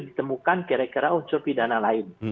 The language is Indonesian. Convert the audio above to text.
ditemukan kira kira unsur pidana lain